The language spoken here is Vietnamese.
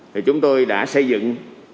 thì chúng tôi đã xây dựng